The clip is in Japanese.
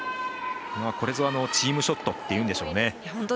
これぞチームショットというんでしょうね。